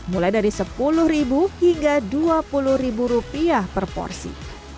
mulai dari sepuluh hingga dua puluh rupiah per porsi